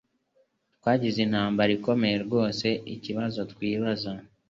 Twagize intambara ikomeye rwose ikibazo twibaza